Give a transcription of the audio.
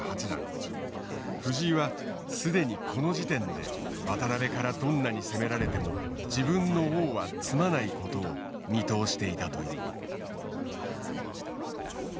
藤井は既にこの時点で渡辺からどんなに攻められても自分の王は詰まないことを見通していたという。